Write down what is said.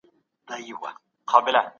نړۍوال پوهان